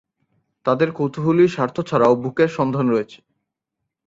তাদের কৌতূহলী স্বার্থ ছাড়াও, বুকের সন্ধান রয়েছে।